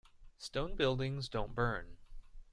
Stone buildings don't burn.